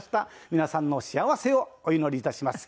皆さんの幸せをお祈りいたします。